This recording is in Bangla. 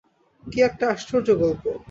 কী একটা আশ্চর্য গল্প!